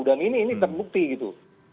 dan ini terbukti gitu